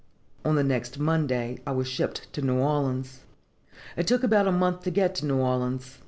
On the next Monday I was shipped to New Orleans. "It took about a month to get to New Orleans.